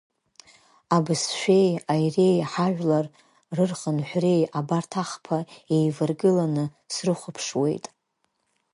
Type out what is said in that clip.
Абызшәеи, аиреи, ҳажәлар рырхынҳәреи, абарҭ ахԥа еиваргыланы срыхәаԥшуеит.